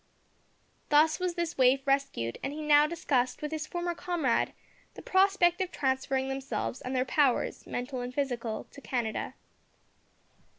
Thus was this waif rescued, and he now discussed with his former comrade the prospect of transferring themselves and their powers, mental and physical, to Canada.